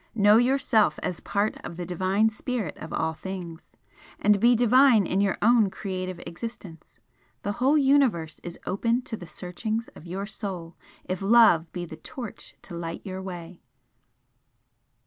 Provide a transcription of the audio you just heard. Know yourself as part of the Divine Spirit of all things, and be divine in your own creative existence. The whole Universe is open to the searchings of your Soul if Love be the torch to light your way!"